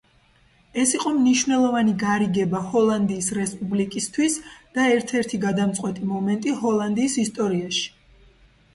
ეს იყო მნიშვნელოვანი გარიგება ჰოლანდიის რესპუბლიკისთვის და ერთ-ერთი გადამწყვეტი მომენტი ჰოლანდიის ისტორიაში.